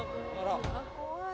怖い。